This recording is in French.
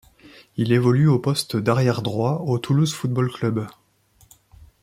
Il évolue au poste d'arrière droit au Toulouse Football Club.